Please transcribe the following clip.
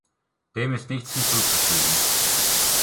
Dem ist nichts hinzuzufügen!